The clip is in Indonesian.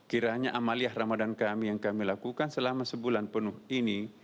kiranya amaliyah ramadan kami yang kami lakukan selama sebulan penuh ini